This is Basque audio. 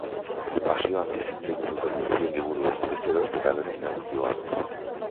Pasio handiz hitz egiten dute guztiek liburuez, bezeroez eta beren negozioaz.